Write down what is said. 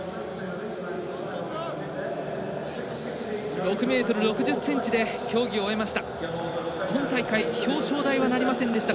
６ｍ６０ｃｍで競技を終えました。